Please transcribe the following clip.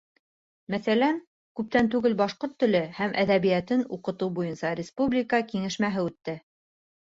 Мәҫәлән, күптән түгел башҡорт теле һәм әҙәбиәтен уҡытыу буйынса республика кәңәшмәһе үтте.